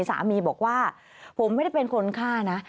สามีบอกว่าผมไม่ได้เป็นคนฆ่านะ